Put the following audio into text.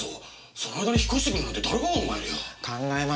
その間に引っ越してくるなんて誰が考えるよ？